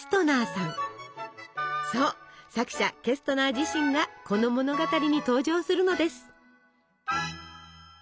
そう作者ケストナー自身がこの物語に登場するのです。